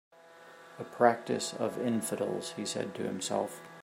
"A practice of infidels," he said to himself.